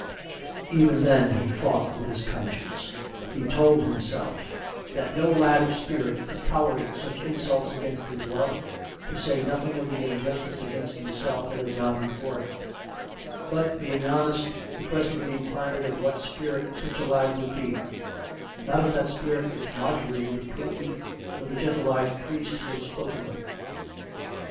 Even then he fought with his conscience; he told himself that no lad of spirit could tolerate such insults against his love, to say nothing of the injustice against himself that had gone before; but, being honest, he presently inquired of what spirit sruch a lad would be — not of that spirit which Mar jorie would approve, nor the gentle eyed priest he had spoken with.